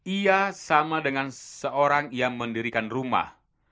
ia sama dengan seorang yang mendirikan rumah